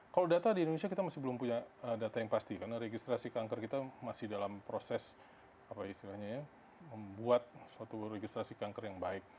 kalau data di indonesia kita masih belum punya data yang pasti karena registrasi kanker kita masih dalam proses apa istilahnya ya membuat suatu registrasi kanker yang baik